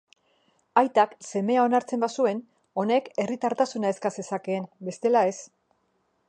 Aitak semea onartzen bazuen, honek herritartasuna eska zezakeen; bestela, ez.